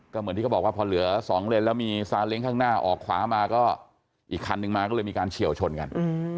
ก็เหมือนที่เขาบอกว่าพอเหลือ๒เลนแล้วมีซาเล้งข้างหน้าออกขวามาก็อีกคันนึงมาก็เลยมีการเฉียวชนกัน